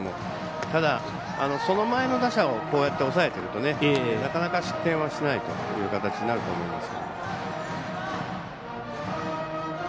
ただ、その前の打者をこうやって抑えてると、なかなか失点はしないという形になると思います。